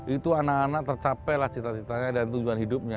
itu anak anak tercapailah cita citanya dan tujuan hidupnya